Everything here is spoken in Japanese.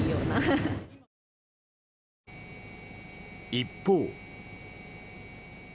一方。